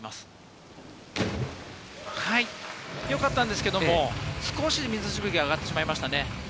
よかったんですけれども、少し水しぶきが上がってしまいましたね。